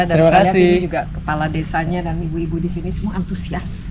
dan saya lihat ini juga kepala desanya dan ibu ibu di sini semua antusias